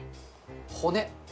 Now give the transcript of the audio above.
骨。